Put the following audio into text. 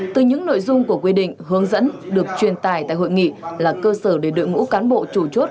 từ những nội dung của quy định hướng dẫn được truyền tải tại hội nghị là cơ sở để đội ngũ cán bộ chủ chốt